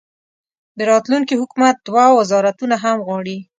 د راتلونکي حکومت دوه وزارتونه هم غواړي.